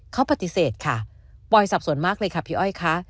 เขาปฏิเสธค่ะปอยสับสนมากเลยค่ะพี่อ้อยค่ะ